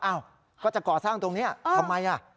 อ้าวก็จะก่อสร้างตรงนี้ทำไมอ่ะ